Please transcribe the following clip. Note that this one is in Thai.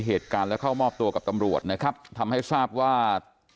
เหตุการณ์และเข้ามอบตัวกับตำรวจนะครับทำให้ทราบว่า